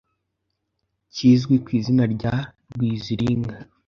kizwi ku izina rya Rwiziringa.